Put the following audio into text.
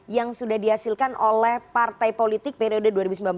yang sudah dihasilkan oleh partai politik periode dua ribu sembilan belas dua ribu dua